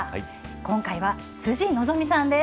今回は、辻希美さんです。